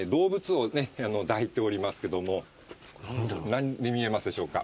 何に見えますでしょうか。